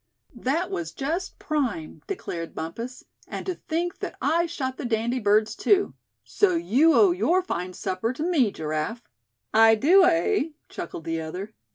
"That was just prime!" declared Bumpus; "and to think that I shot the dandy birds too; so you owe your fine supper to me, Giraffe." "I do, eh?" chuckled the other.